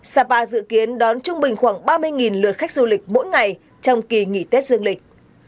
sapa dự kiến đón trung bình khoảng ba mươi lượt khách du lịch mỗi ngày trong kỳ nghỉ tết dương lịch